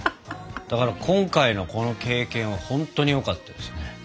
だから今回のこの経験は本当によかったですね。